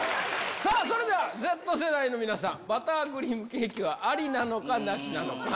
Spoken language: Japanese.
さあ、それではＺ世代の皆さん、バタークリームケーキはありなのか、なしなのか。